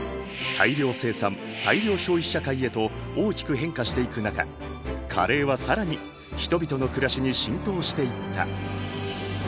大量生産大量消費社会へと大きく変化していく中カレーは更に人々の暮らしに浸透していった。